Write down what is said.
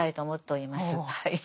はい。